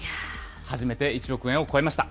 初めて１億円を超えました。